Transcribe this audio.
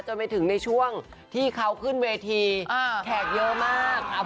ไปถึงในช่วงที่เขาขึ้นเวทีแขกเยอะมาก